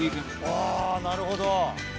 あぁなるほど。